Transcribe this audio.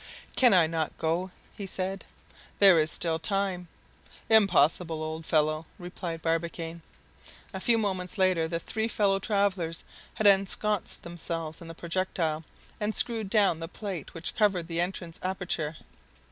"Can I not go?" he said, "there is still time!" "Impossible, old fellow!" replied Barbicane. A few moments later, the three fellow travelers had ensconced themselves in the projectile, and screwed down the plate which covered the entrance aperture.